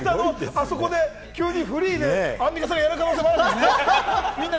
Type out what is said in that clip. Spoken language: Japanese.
あそこで急にフリーでアンミカさんがやる可能性もあるんですね。